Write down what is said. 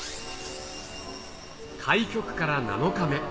開局から７日目。